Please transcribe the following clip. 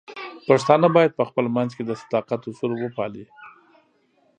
پښتانه بايد په خپل منځ کې د صداقت اصول وپالي.